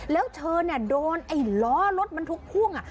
แล้วเธอโดนล้อรถมันถูกพ่วง